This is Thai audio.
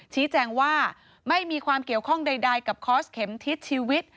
ชี้แจงว่าไม่มีความเกี่ยวข้องใดกับคอร์สเข็มทิศชีวิต